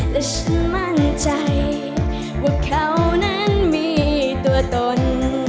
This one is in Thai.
และฉันมั่นใจว่าเขานั้นมีตัวตน